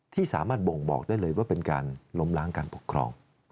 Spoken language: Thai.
ที่สามารถบ่งบอกได้เลยว่าเป็นการล้มล้างการปกครอง